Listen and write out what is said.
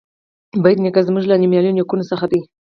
بېټ نیکه زموږ له نومیالیو نیکونو څخه دی.